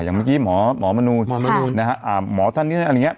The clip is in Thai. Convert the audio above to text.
อย่างเมื่อกี้หมอหมอมนูนหมอมนูนนะฮะอ่าหมอท่านนี้อะไรอย่างเงี้ย